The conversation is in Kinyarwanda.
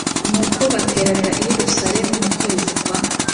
Nuko bateranira i Yerusalemu mu kwezi kwa